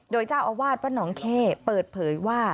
โดยเจ้าอาวาสวัดหนองเข้เปิดเผยว่า